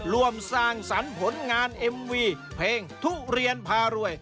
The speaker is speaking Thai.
ร่วมสร้างสรรค์ผลงานเอ็มวีเพลงทุเรียนพารวย